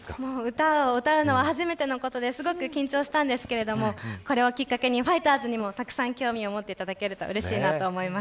歌を歌うのは初めてのことで緊張しましたがこれをきっかけにファイターズにも、たくさん興味を持っていただけるとうれしいです。